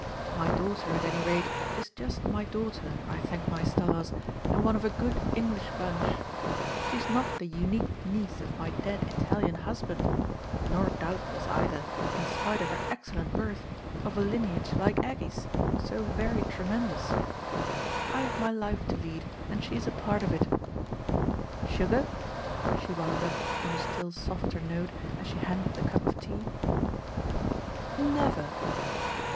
My daughter, at any rate, is just my daughter, I thank my stars, and one of a good English bunch: she's not the unique niece of my dead Italian husband, nor doubtless either, in spite of her excellent birth, of a lineage, like Aggie's, so very tremendous. I've my life to lead and she's a part of it. Sugar?" she wound up on a still softer note as she handed the cup of tea. "Never!